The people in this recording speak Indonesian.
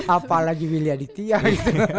apalagi wilia di tiah